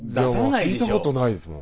聞いたことないですもん。